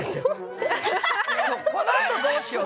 このあとどうしよう。